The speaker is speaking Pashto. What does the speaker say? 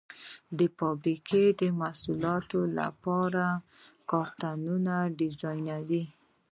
د فابریکو د محصولاتو لپاره کارتنونه ډیزاینوي.